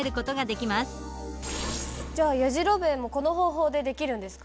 じゃあやじろべえもこの方法でできるんですか？